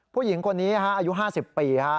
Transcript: ผู้หญิงคนนี้อายุ๕๐ปี